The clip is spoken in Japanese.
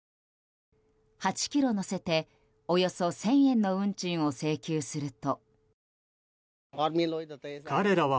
８ｋｍ乗せておよそ１０００円の運賃を請求すると。